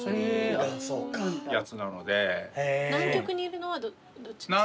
南極にいるのはどっちですか？